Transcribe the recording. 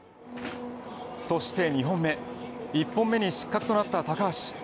そして２本目１本目に失格となった高梨。